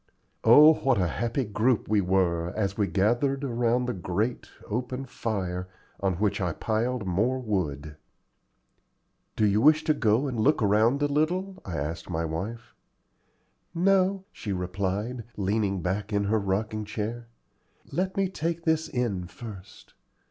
Oh, what a happy group we were, as we gathered around the great, open fire, on which I piled more wood! "Do you wish to go and look around a little?" I asked my wife. "No," she replied, leaning back in her rocking chair: "let me take this in first.